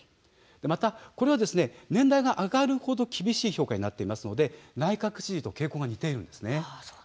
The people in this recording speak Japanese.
また、これは年代が上がる程厳しい評価になっていますので内閣支持の傾向が似ているんです。